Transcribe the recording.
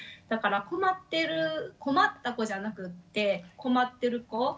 だから困ってる「困った子」じゃなくって「困ってる子」。